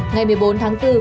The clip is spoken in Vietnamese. ngày một mươi bốn tháng bốn